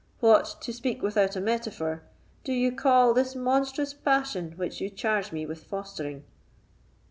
What, to speak without a metaphor, do you call this monstrous passion which you charge me with fostering?"